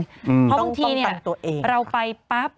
เพราะบางทีเนี่ยเราไปปั๊บ